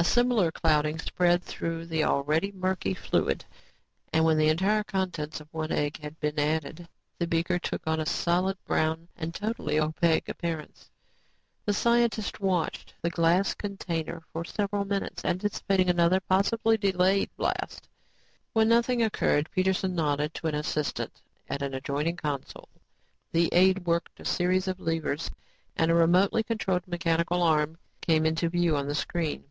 A similar clouding spread through the already murky fluid and when the entire contents of one egg had been added, the beaker took on a solid, brown and totally opaque appearance. The scientists watched the glass container for several minutes, anticipating another possible delayed blast. When nothing occurred, Peterson nodded to an assistant at an adjoining console. The aide worked a series of levers and a remotely controlled mechanical arm came into view on the screen.